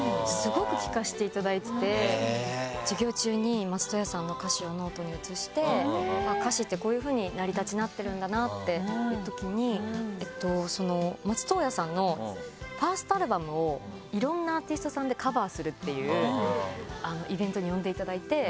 授業中に松任谷さんの歌詞をノートに写して歌詞ってこういうふうに成り立ちなってるんだなっていうときに松任谷さんの１ｓｔアルバムをいろんなアーティストさんでカバーするっていうイベントに呼んでいただいて。